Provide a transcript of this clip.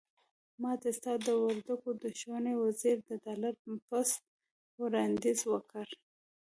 ماته ستا د وردګو د ښوونې وزير د ډالري پست وړانديز وکړ.